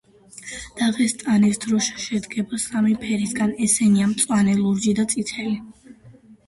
დაღესტნის დროშა შედგება სამი ფერისგან, ესენია: მწვანე, ლურჯი და წითელი.